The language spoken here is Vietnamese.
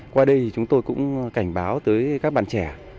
qua đây thì chúng tôi cũng cảnh báo tới các bạn trẻ